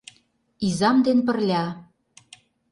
Изам ден пырля...